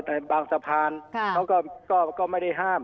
แต่บางสะพานเขาก็ไม่ได้ห้าม